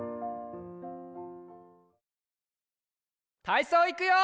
たいそういくよ！